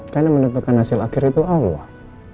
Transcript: karena menentukan hasil akhir itu allah